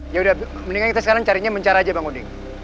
yaudah mendingan kita sekarang carinya mencar aja bang oding